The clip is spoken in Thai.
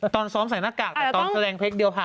ตอนซ้อมใส่หน้ากากแต่ตอนแสดงเพลงเดียวผ่าน